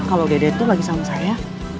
kalau dede tuh lagi sama saya